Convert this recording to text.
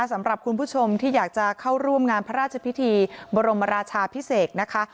สำหรับคุณผู้ชมที่อยากจะเข้าร่วมงานพระราชพิธีบรมราชาพิเศษนะคะ